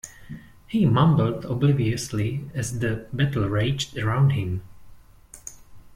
He mumbled obliviously as the battle raged around him.